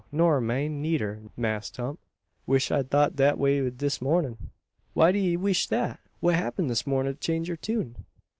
Nor myen, needer, Mass' Tump. Wish I'd thought dat way dis mornin'." "Why do ye weesh that? What happened this mornin' to change yur tune?"